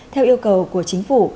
theo yêu cầu của chính phủ